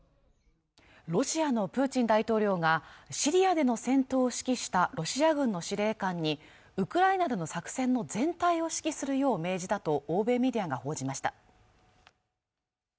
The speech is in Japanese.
ロシアのプーチン大統領がシリアでの戦闘を指揮したロシア軍の司令官にウクライナでの作戦の全体を指揮するよう命じたと欧米メディアが報じました